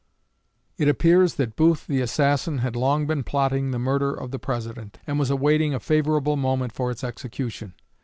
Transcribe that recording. It appears that Booth, the assassin, had long been plotting the murder of the President, and was awaiting a favorable moment for its execution.